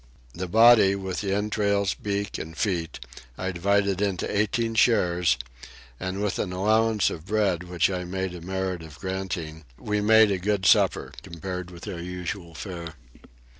The body, with the entrails, beak, and feet, I divided into 18 shares, and with an allowance of bread, which I made a merit of granting, we made a good supper, compared with our usual fare.